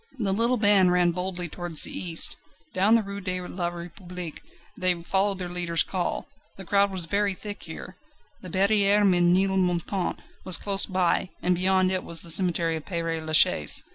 The little band ran boldly towards the east. Down the Rue de la République they followed their leader's call. The crowd was very thick here; the Barrière Ménilmontant was close by, and beyond it there was the cemetery of Père Lachaise.